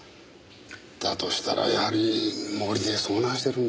だとしたらやはり森で遭難してるんじゃ。